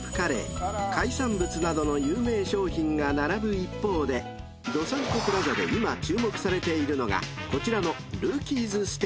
［などの有名商品が並ぶ一方でどさんこプラザで今注目されているのがこちらの］